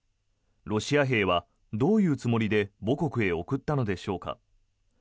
ロシア兵はどういうつもりで母国へ送ったのでしょうか。